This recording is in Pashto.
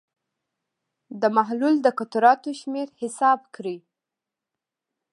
د محلول د قطراتو شمېر حساب کړئ.